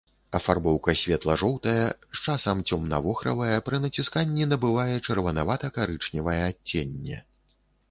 Афарбоўка светла-жоўтая, з часам цёмна-вохравая, пры націсканні набывае чырванавата-карычневае адценне.